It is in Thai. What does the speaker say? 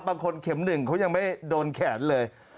เข็มหนึ่งเขายังไม่โดนแขนเลย